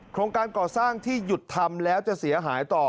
โครงการก่อสร้างที่หยุดทำแล้วจะเสียหายต่อ